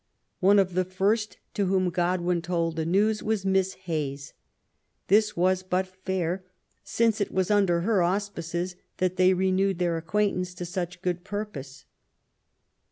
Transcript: One of the first to whom Godwin told the news was Miss Hayes. This was bat fair, since it was under her auspices that they renewed their acquaintance to such good purpose.